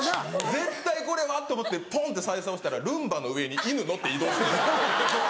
絶対これは！と思ってポンって再生押したらルンバの上に犬乗って移動してるだけ。